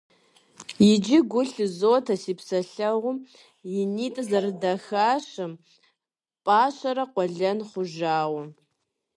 Иджы гу лъызотэ си псэлъэгъум и нитӀыр зэрыдахащэм, пӀащэрэ къуэлэн хъужауэ.